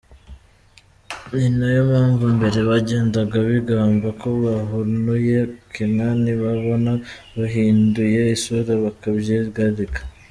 Ni nayo mpamvu mbere bagendaga bigamba ko bahanuye Kinani, babona bihinduye isura bakabyigarika.